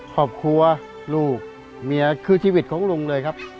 ครอบครัวลูกเมียคือชีวิตของลุงเลยครับ